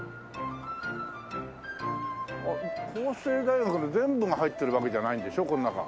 法政大学に全部が入ってるわけじゃないんでしょこの中。